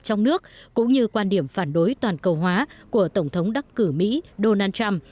trong nước cũng như quan điểm phản đối toàn cầu hóa của tổng thống đắc cử mỹ donald trump